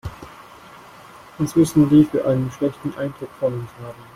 Was müssen die für einen schlechten Eindruck von uns haben.